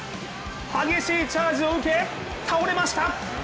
激しいチャージを受け倒れました。